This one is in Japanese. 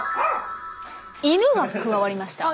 イヌが加わりました。